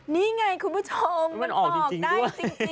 นี่ไงคุณผู้ชมมันออกได้จริงด้วยมันออกจริงด้วย